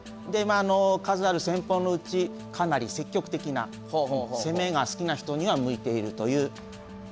数ある戦法のうちかなり積極的な攻めが好きな人には向いているという戦法です。